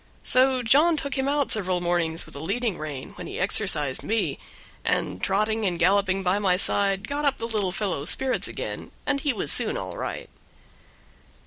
So John took him out several mornings with a leading rein, when he exercised me, and, trotting and galloping by my side, got up the little fellow's spirits again, and he was soon all right.